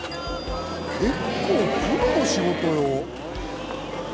結構プロの仕事よ。